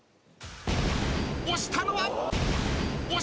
押したのは。